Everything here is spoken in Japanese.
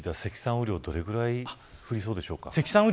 雨量どれぐらい降りそうでしょうか。